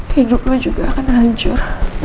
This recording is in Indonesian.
hidup lo juga akan hancur